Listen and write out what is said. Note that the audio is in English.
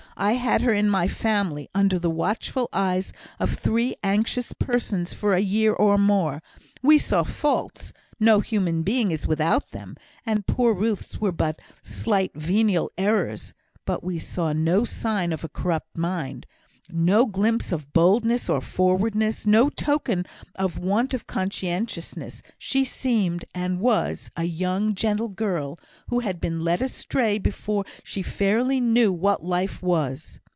I had her in my family, under the watchful eyes of three anxious persons for a year or more; we saw faults no human being is without them and poor Ruth's were but slight venial errors; but we saw no sign of a corrupt mind no glimpse of boldness or forwardness no token of want of conscientiousness; she seemed, and was, a young and gentle girl, who had been led astray before she fairly knew what life was."